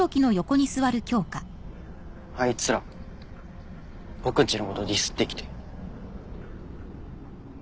あいつら僕んちのことディスってきて。